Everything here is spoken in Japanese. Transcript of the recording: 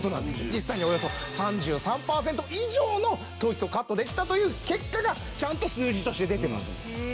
実際におよそ３３パーセント以上の糖質をカットできたという結果がちゃんと数字として出ています。